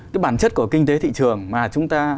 cái bản chất của kinh tế thị trường mà chúng ta